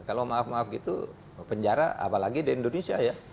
kalau maaf maaf gitu penjara apalagi di indonesia ya